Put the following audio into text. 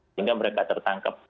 sehingga mereka tertangkap